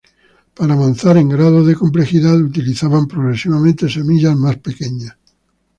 Para avanzar en grados de complejidad, utilizaban progresivamente semillas más pequeñas.